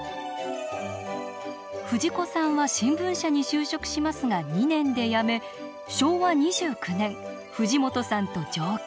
藤子さんは新聞社に就職しますが２年で辞め昭和２９年藤本さんと上京。